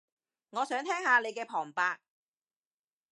我想聽下你嘅旁白